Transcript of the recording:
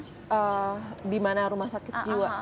eemm dimana rumah sakit jiwa